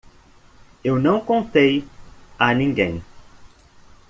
Eu não contei a ninguém.